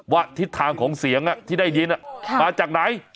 ทิศทางของเสียงที่ได้ยินมาจากไหน